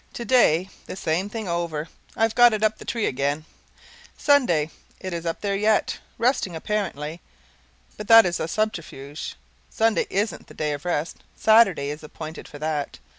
Today the same thing over. I've got it up the tree again. SUNDAY. It is up there yet. Resting, apparently. But that is a subterfuge: Sunday isn't the day of rest; Saturday is appointed for that.